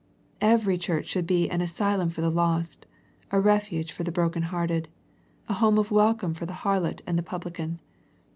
Every church should be an asylum for the lost, a refuge for the broken hearted, a home of welcome for the harlot and the pub lican.